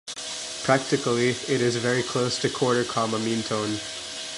Practically it is very close to quarter-comma meantone.